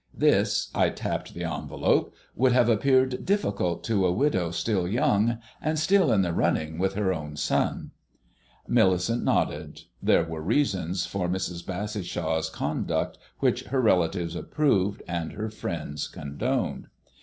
This" I tapped the envelope "would have appeared difficult to a widow still young, and still in the running with her own son." Millicent nodded. There were reasons for Mrs. Bassishaw's conduct which her relatives approved and her friends condoned.